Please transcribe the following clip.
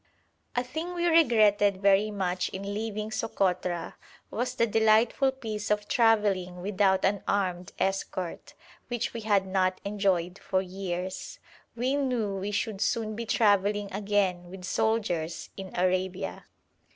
A thing we regretted very much in leaving Sokotra was the delightful peace of travelling without an armed escort, which we had not enjoyed for years; we knew we should soon be travelling again with soldiers in Arabia.